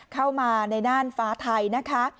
เข้ามาในน่านฟ้าไทยนะคะ